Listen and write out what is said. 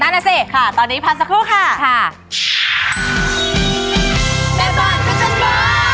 นั่นแหละสิตอนนี้พันธุ์สักครู่ค่ะค่ะ